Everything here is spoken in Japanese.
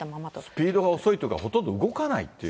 スピードが遅いというか、ほとんど動かないという。